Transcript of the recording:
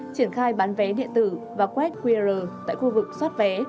triển khai bán vé điện tử và quét qr tại khu vực xoát vé